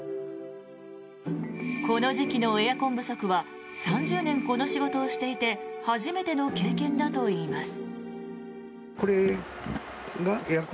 この時期のエアコン不足は３０年、この仕事をしていて初めての経験だといいます。